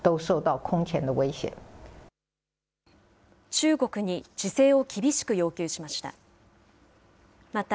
中国に自制を厳しく要求しました。